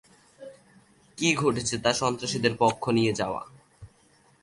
কী ঘটছে তা সন্ত্রাসীদের পক্ষ নিয়ে যাওয়া।